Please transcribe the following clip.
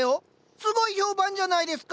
すごい評判じゃないですか。